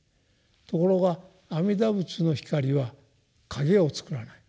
ところが阿弥陀仏の光は影を作らない。